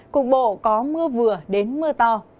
cục bộ có mưa vừa đến mưa to